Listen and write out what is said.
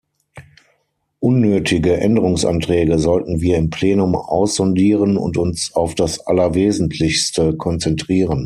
Unnötige Änderungsanträge sollten wir im Plenum aussondieren und uns auf das Allerwesentlichste konzentrieren.